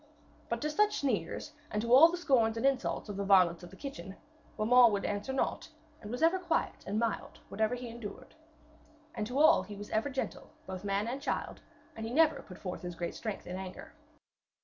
But to such sneers, and to all the scorns and insults of the varlets of the kitchen, Beaumains would answer naught, and was ever quiet and mild whatever he endured. And to all was he ever gentle, both man and child, and he never put forth his great strength in anger.